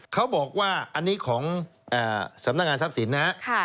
เขาบอกว่าอันนี้ของสำนักงานทรัพย์สินนะครับ